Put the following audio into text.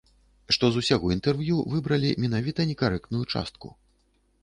Што з усяго інтэрв'ю выбралі менавіта некарэктную частку.